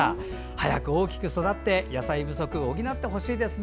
早く大きく育って野菜不足を補ってほしいです。